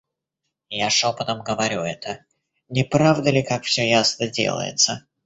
Я шопотом говорю это... Не правда ли, как всё ясно делается?